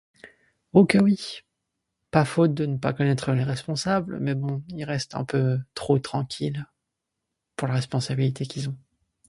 Oh que oui ! Pas faute de ne pas connaître les responsables, mais bon, ils restent un peu trop tranquilles pour la responsabilité qu'ils ont.